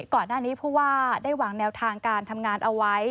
ก่อนหน้านี้ผู้ว่าได้วางแนวทางการทำงานเอาไว้